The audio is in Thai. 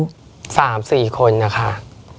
๓๔คนนะคะ